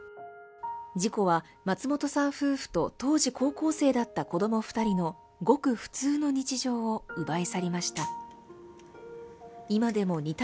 事故は松本さん夫婦と当時高校生だった子供２人のごく普通の日常を奪い去りました。